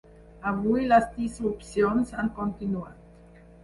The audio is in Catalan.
Avui, les disrupcions han continuat.